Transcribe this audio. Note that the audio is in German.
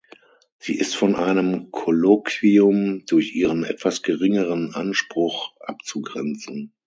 Sie ist von einem Kolloquium durch ihren etwas geringeren Anspruch abzugrenzen.